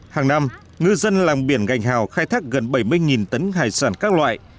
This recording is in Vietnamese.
hàng năm ngư dân làng biển gành hào khai thác gần bảy mươi tấn hải sản các loại